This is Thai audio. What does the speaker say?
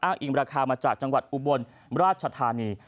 อิงราคามาจากจังหวัดอุบลราชธานี